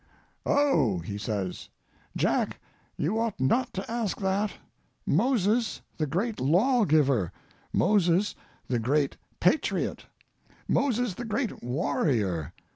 "Oh," he says, "Jack, you ought not to ask that! Moses, the great law giver! Moses, the great patriot! Moses, the great warrior!